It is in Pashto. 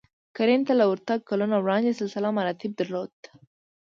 کرنې ته له ورتګ کلونه وړاندې سلسله مراتب درلودل